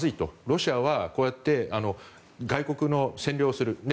ロシアはこうやって外国を占領する。